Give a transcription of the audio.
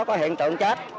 có hiện tượng chết